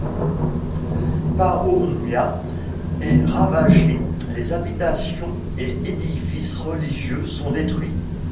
Paomia est ravagée, les habitations et édifices religieux sont détruits.